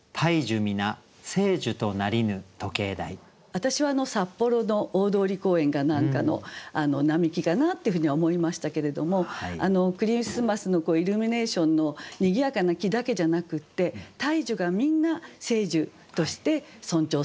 私は札幌の大通公園か何かの並木かなっていうふうには思いましたけれどもクリスマスのイルミネーションのにぎやかな木だけじゃなくって大樹がみんな聖樹として尊重されるっていうかね。